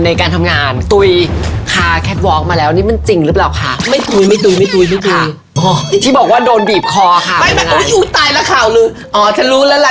ที่มันพังทุเลสเนี่ยก็เพราะอีแม่ลูกสาวนี่แหละ